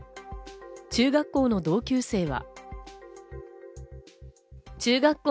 中学校の同級生は。